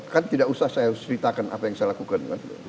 kan tidak usah saya ceritakan apa yang saya lakukan